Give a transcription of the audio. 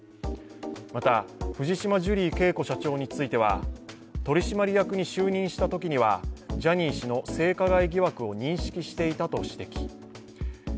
また、藤島ジュリー景子社長については取締役に就任したときにはジャニー氏の性加害疑惑を認識していたと指摘。